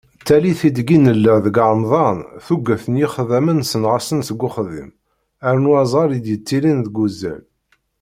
Tallit ideg i nella d Remḍan, tuget n yixeddamen senɣasen seg uxeddim, rnu azɣal i d-yettilin deg uzal.